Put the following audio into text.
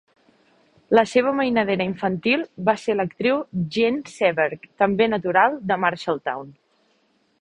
La seva mainadera infantil va ser l'actriu Jean Seberg, també natural de Marshalltown.